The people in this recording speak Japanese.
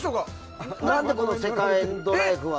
何でセカンドライフは。